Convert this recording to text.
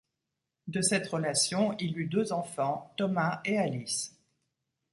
De cette relation, il eut deux enfants, Thomas et Alice.